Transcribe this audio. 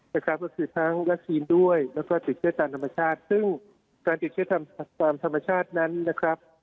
นะครับก็คือทั้งวัคซีนด้วยแล้วก็ติดเชื้อตามธรรมชาติซึ่งการติดเชื้อตามธรรมชาตินั้นนะครับ